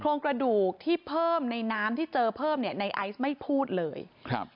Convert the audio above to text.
โครงกระดูกที่เพิ่มในน้ำที่เจอเพิ่มเนี่ยในไอซ์ไม่พูดเลยครับ